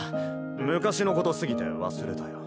昔のことすぎて忘れたよ。